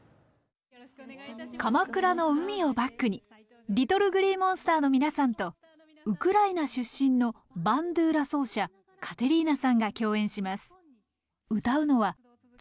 鎌倉の海をバックにＬｉｔｔｌｅＧｌｅｅＭｏｎｓｔｅｒの皆さんとウクライナ出身のバンドゥーラ奏者カテリーナさんが共演します。